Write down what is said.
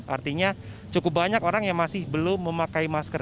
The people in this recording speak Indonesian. artinya cukup banyak orang yang masih belum memakai masker